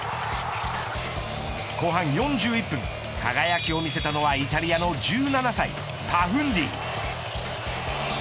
後半４１分、輝きを見せたのはイタリアの１７歳、パフンディ。